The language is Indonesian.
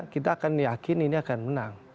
kita akan yakin ini akan menang